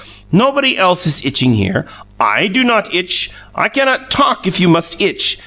Nobody else is itching here! I do not itch! I cannot talk if you must itch!